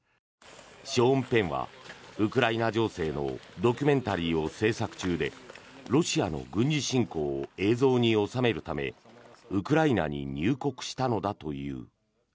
ショーン・ペンはウクライナ情勢のドキュメンタリーを制作中でロシアの軍事侵攻を映像に収めるためウクライナに入国したのだという。